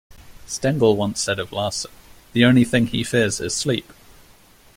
Stengel once said of Larsen, The only thing he fears is sleep!